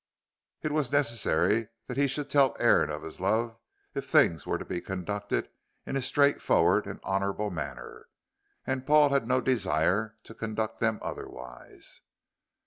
It was necessary that he should tell Aaron of his love if things were to be conducted in a straightforward and honorable manner. And Paul had no desire to conduct them otherwise.